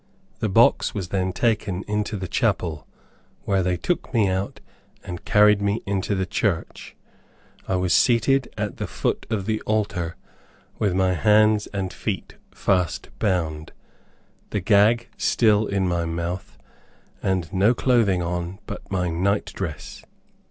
The box was then taken into the chapel, where they took me out and carried me into the church. I was seated at the foot of the altar, with my hands and feet fast bound, the gag still in my mouth, and no clothing on, but my night dress.